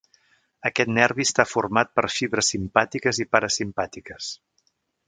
Aquest nervi està format per fibres simpàtiques i parasimpàtiques.